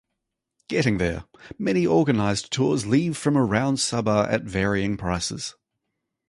Getting there: Many organised tours leave from around Sabah at varying prices.